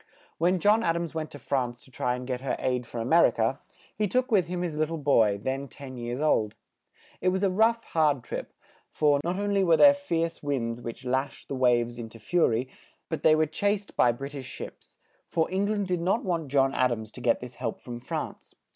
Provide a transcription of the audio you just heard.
When John Ad ams went to France to try and get her aid for A mer i ca, he took with him his lit tle boy, then ten years old. It was a rough, hard trip; for, not on ly were there fierce winds which lashed the waves in to fu ry, but they were chased by Brit ish ships, for Eng land did not want John Ad ams to get this help from France.